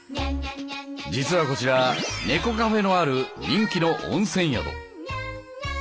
実はこちら猫カフェのある人気の温泉宿。